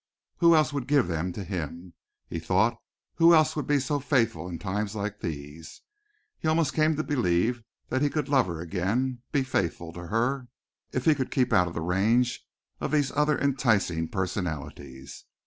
Who else would give them to him, he thought; who else would be so faithful in times like these? He almost came to believe that he could love her again, be faithful to her, if he could keep out of the range of these other enticing personalities.